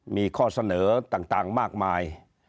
มีข้อเสนอต่างมากมาย